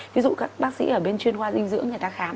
ví dụ các bác sĩ ở bên chuyên khoa dinh dưỡng người ta khám